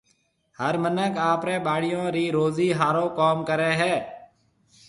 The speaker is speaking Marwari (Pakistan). هر مِنک آپرَي ٻاݪيون رِي روزِي هارون ڪوم ڪريَ هيَ۔